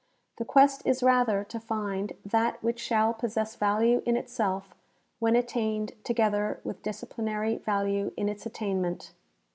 The quest is rather to find that which shall possess value in itself when attained together with disciplinary value in its attainment.